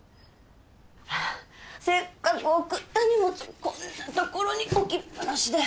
あっせっかく送った荷物こんな所に置きっ放しで。